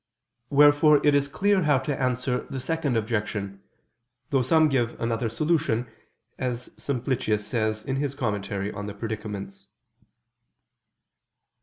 Wherefore it is clear how to answer the second objection: though some give another solution, as Simplicius says in his _Commentary on the Predicaments.